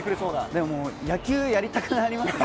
でも野球やりたくなりますよ